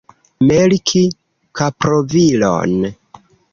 Melki kaproviron.